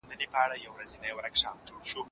ذهنپوهنه يو مناسب نوم ښکاري.